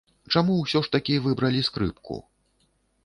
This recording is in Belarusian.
Чаму ўсё ж такі выбралі скрыпку?